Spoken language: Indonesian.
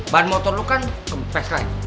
ban motor lu kan kempes right